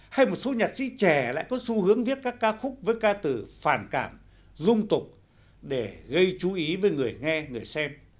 hay một số nhạc sĩ trẻ lại có xu hướng viết các ca khúc với ca từ phản cảm dung tục để gây chú ý với người nghe người xem